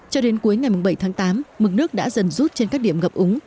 cho đến cuối ngày bảy tháng tám mực nước đã dần rút trên các điểm ngập úng